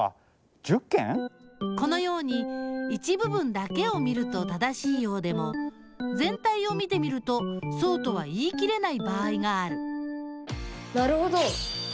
このように一部分だけを見ると正しいようでもぜん体を見てみるとそうとは言い切れない場合があるなるほど！